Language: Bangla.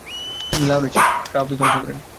তিনি লাহোরের শিখ বাওলি ধ্বংস করেন।